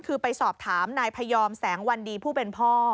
คือไปสอบถามนายพยอมแสงวันดีผู้เป็นพ่อ